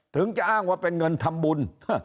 ถึงจะอ้างว่าเป็นเงินทำบุญ